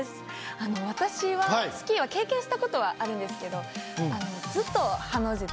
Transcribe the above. あの私はスキーは経験したことはあるんですけどずっとハの字でですね